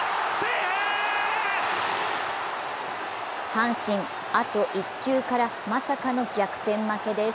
阪神、あと１球からまさかの逆転負けです。